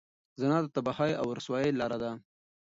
زنا د تباهۍ او رسوایۍ لاره ده.